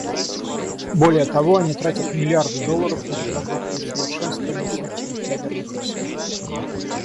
Более того, они тратят миллиарды долларов на разработку и совершенствование собственных ядерных арсеналов.